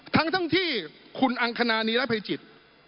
ทั้งที่คุณอังคณานีรภัยจิต